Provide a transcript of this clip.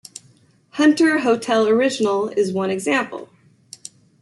Hunter Hotel Original is one example.